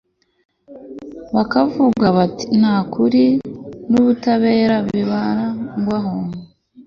bakavuga bati nta kuri n'ubutabera bibarangwaho